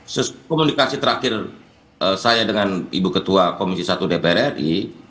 seskomunikasi terakhir saya dengan ibu ketua komisi satu dpr ri